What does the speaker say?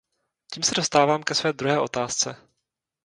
Tím se dostávám ke své druhé otázce.